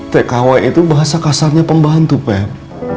tkw itu bahasa kasarnya pembantu pem